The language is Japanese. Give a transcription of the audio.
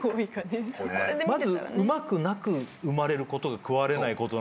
まずうまくなく生まれることが食われないこと。